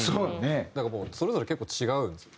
だからもうそれぞれ結構違うんですよね。